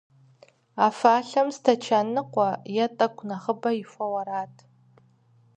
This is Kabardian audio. А фӀалъэм стэчан ныкъуэ е тӀэкӀу нэхъыбэ ихуэу арат.